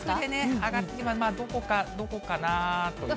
上がって、どこかどこかなーという。